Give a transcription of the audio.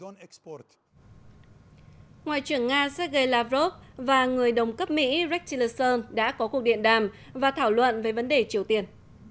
ngoại trưởng nga sergei lavrov và người đồng cấp mỹ richtinerson đã có cuộc điện đàm và thảo luận về vấn đề triều tiên